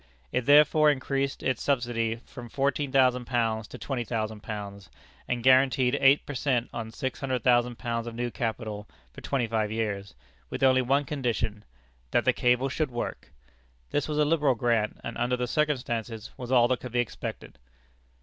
It therefore increased its subsidy from fourteen thousand pounds to twenty thousand pounds; and guaranteed eight per cent on six hundred thousand pounds of new capital for twenty five years, with only one condition that the cable should work. This was a liberal grant, and under the circumstances, was all that could be expected.